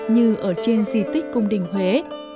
như ở trên di tích cung đỉnh huế